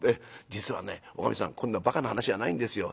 実はねおかみさんこんなばかな話はないんですよ。